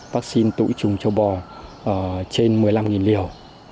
vaccine tụi trùng châu bò trên một mươi năm liều